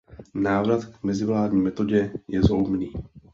Návrat k mezivládní metodě je zhoubný.